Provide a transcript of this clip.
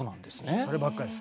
そればっかりです。